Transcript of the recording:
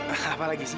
apa lagi sih